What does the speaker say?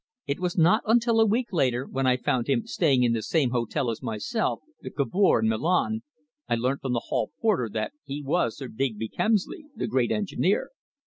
It was not until a week later, when I found him staying in the same hotel as myself, the Cavour, in Milan, I learnt from the hall porter that he was Sir Digby Kemsley, the great engineer.